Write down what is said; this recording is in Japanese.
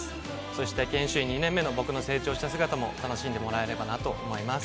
そして研修医２年目の僕の成長した姿も楽しんでもらえればなと思います。